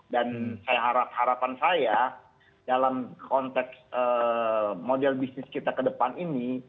dan harapan saya dalam konteks model bisnis kita ke depan ini